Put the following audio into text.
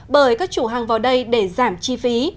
bởi các chủ hàng vào đây để giảm chi phí